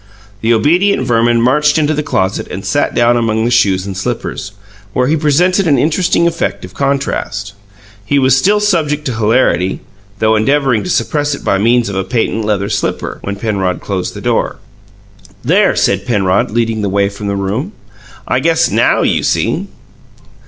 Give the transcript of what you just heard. The obedient Verman marched into the closet and sat down among the shoes and slippers, where he presented an interesting effect of contrast. He was still subject to hilarity though endeavouring to suppress it by means of a patent leather slipper when Penrod closed the door. "There!" said Penrod, leading the way from the room. "I guess NOW you see!"